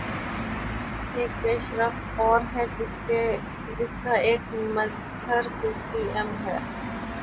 ایک پیش رفت اور ہے جس کا ایک مظہر پی ٹی ایم ہے۔